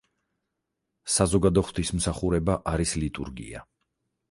საზოგადო ღვთისმსახურება არის ლიტურგია.